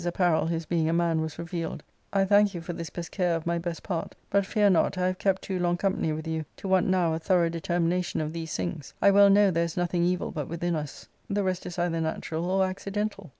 445 apparel his being a man was revealed, " I thank you for this best care of my best part ; but fear not, I have kept too long company with you to want now a thorough determination of these things ; I well know there is nothing evil but within us — the rest is either natural or accidental."